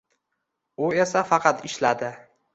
U esa faqat ishladi